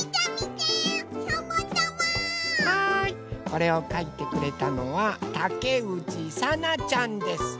これをかいてくれたのはたけうちさなちゃんです。